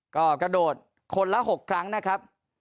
ก็กระโดดคนละ๖ครั้งนะครับ